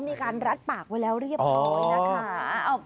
มีการรัดปากแล้วเรียบพร้อม